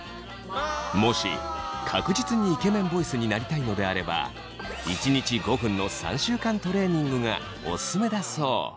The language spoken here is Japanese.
もし確実にイケメンボイスになりたいのであれば１日５分の３週間トレーニングがオススメだそう。